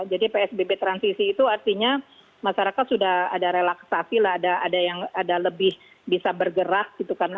jadi psbb transisi itu artinya masyarakat sudah ada relaksasi lah ada yang ada lebih bisa bergerak gitu